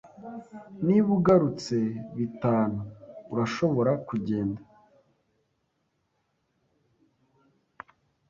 Niba ugarutse bitanu, urashobora kugenda.